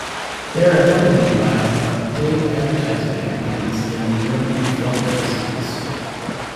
They are accompanied by big advertising campaigns in European film magazines.